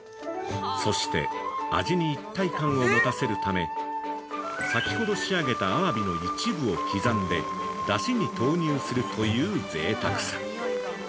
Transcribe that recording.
◆そして、味に一体感を持たせるため、先ほど仕上げたアワビの一部を刻んでだしに投入するというぜいたくさ。